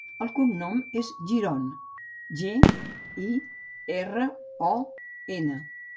El cognom és Giron: ge, i, erra, o, ena.